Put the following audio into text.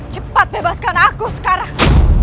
cepat bebaskan aku sekarang